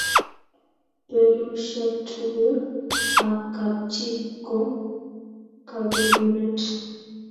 berushiek tugul ak kap chii ko kaberuret